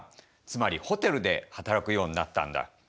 つまりホテルで働くようになったんだ。